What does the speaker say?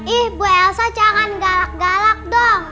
ih bu elsa jangan galak galak dong